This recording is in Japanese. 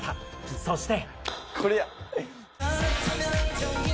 そして。